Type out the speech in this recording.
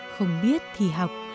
không biết thì học